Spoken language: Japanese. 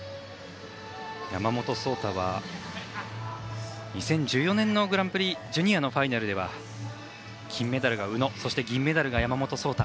山本草太は２０１４年のグランプリジュニアのファイナル金メダルが宇野そして銀メダルが山本草太。